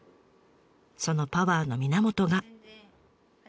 そのパワーの源が。